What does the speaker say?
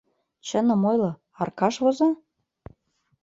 Чыным ойло, Аркаш воза?